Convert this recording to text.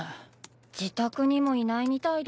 自宅にもいないみたいで。